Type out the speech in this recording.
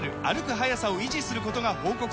速さを維持することが報告されています